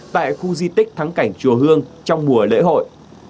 tại khu di tích thắng cảnh chùa hương trong mùa lễ hội